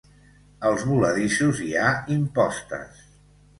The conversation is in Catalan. Als voladissos hi ha impostes.